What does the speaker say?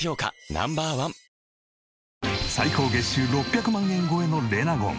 ＮＯ．１最高月収６００万円超えのレナゴン。